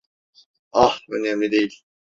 Ah, önemli değil.